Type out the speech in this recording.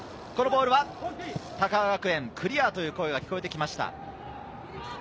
このボールは高川学園、クリアという声が聞こえてきました。